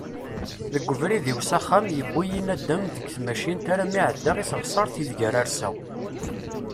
Deg ubrid-iw s axxam, yewwi-yi nadam deg tmacint armi εeddaɣ i teɣsert ideg ara rseɣ.